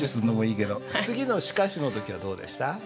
次の「しかし」の時はどうでした？